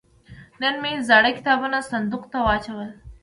نن مې زاړه کتابونه صندوق ته واچول.